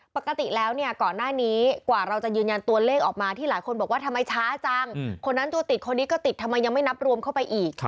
ปกติแล้วเนี่ยก่อนหน้านี้กว่าเราจะยืนยันตัวเลขออกมาที่หลายคนบอกว่าทำไมช้าจังคนนั้นตัวติดคนนี้ก็ติดทำไมยังไม่นับรวมเข้าไปอีก